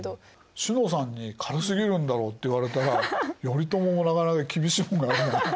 詩乃さんに軽すぎるんだろって言われたら頼朝もなかなか厳しいものがあるね。